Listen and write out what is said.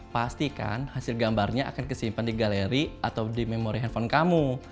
pastikan hasil gambarnya akan kesimpan di galeri atau di memori handphone kamu